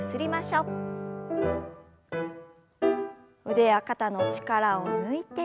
腕や肩の力を抜いて。